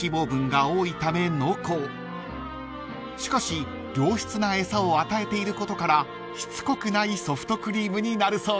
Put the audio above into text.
［しかし良質な餌を与えていることからしつこくないソフトクリームになるそうです］